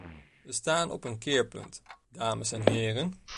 We staan op een keerpunt, dames en heren.